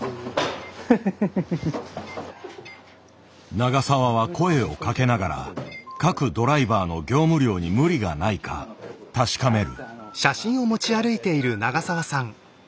永澤は声をかけながら各ドライバーの業務量に無理がないか確かめる。